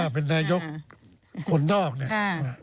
เป็นนายกคนนอกเนี่ย